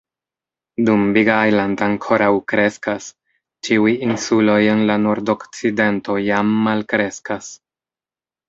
Dum "Big Island" ankoraŭ kreskas, ĉiuj insuloj en la nordokcidento jam malkreskas.